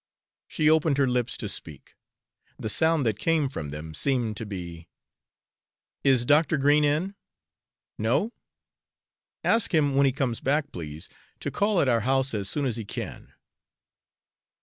She opened her lips to speak. The sound that came from them seemed to be: "Is Dr. Green in? No? Ask him, when he comes back, please, to call at our house as soon as he can."